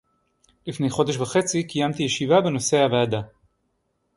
לפני חודש וחצי קיימתי ישיבה בנושא הוועדה